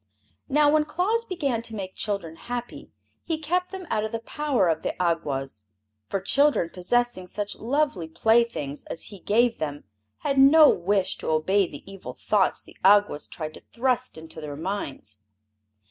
Now, when Claus began to make children happy he kept them out of the power of the Awgwas; for children possessing such lovely playthings as he gave them had no wish to obey the evil thoughts the Awgwas tried to thrust into their minds.